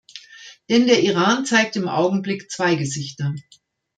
Denn der Iran zeigt im Augenblick zwei Gesichter.